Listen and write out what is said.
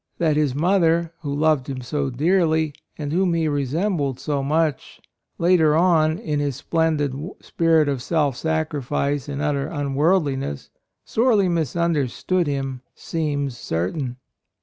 That his mother, who loved him so dearly, and whom he resembled so much, later on, in his splendid spirit of self sacrifice and utter unworldli ness, sorely misunderstood him seems certain.